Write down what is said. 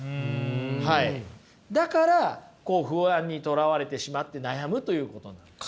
だからこう不安にとらわれてしまって悩むということなんですね。